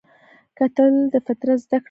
کتل د فطرت زده کړه ده